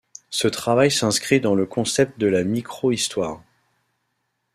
Ce travail s’inscrit dans le concept de la microhistoire.